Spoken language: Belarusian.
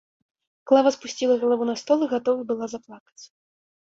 Клава спусціла галаву на стол і гатова была заплакаць.